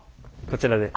こちらで。